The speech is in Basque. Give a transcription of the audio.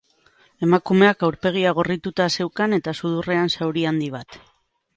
Emakumeak aurpegia gorrituta zeukan eta sudurrean zauri handi bat.